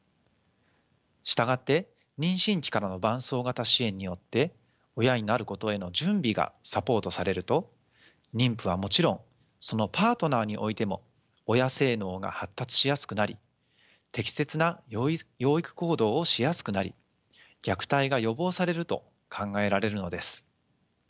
従って妊娠期からの伴走型支援によって親になることへの準備がサポートされると妊婦はもちろんそのパートナーにおいても親性脳が発達しやすくなり適切な養育行動をしやすくなり虐待が予防されると考えられるのです。